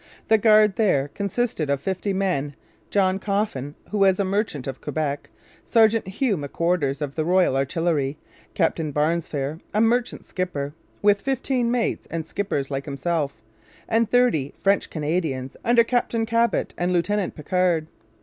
The guard there consisted of fifty men John Coffin, who was a merchant of Quebec, Sergeant Hugh McQuarters of the Royal Artillery, Captain Barnsfair, a merchant skipper, with fifteen mates and skippers like himself, and thirty French Canadians under Captain Chabot and Lieutenant Picard.